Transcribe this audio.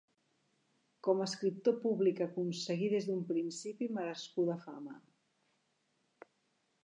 Com a escriptor públic aconseguí des d'un principi merescuda fama.